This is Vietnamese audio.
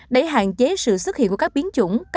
để hạn chế sự xuất hiện của các biến chủng